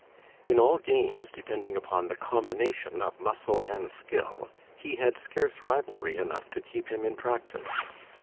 In all games depending upon the combination of muscle and skill, he had scarce rivalry enough to keep him in practice.